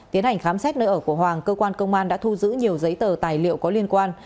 tiến hành khám xét nơi ở của hoàng cơ quan công an đã thu giữ nhiều giấy tờ tài liệu có liên quan